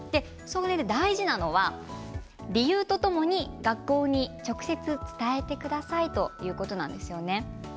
大事なのは理由とともに学校に直接伝えてくださいということなんです。